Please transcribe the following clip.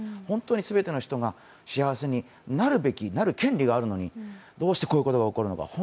本当に全ての人が幸せになる権利があるのに、どうしてこういうことが起こるのか